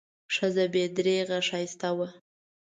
ښځه بې درېغه ښایسته وه.